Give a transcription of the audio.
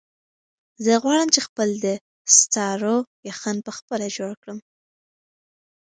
زه غواړم چې خپل د ستارو یخن په خپله جوړ کړم.